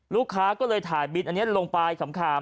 ลูกค้าก็เลยถ่ายบินอันนี้ลงไปขำ